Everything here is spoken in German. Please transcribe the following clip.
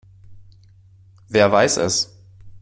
Wer weiß es?